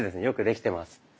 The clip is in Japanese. よくできてます。